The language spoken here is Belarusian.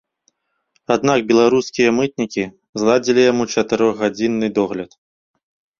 Аднак беларускія мытнікі зладзілі яму чатырохгадзінны догляд.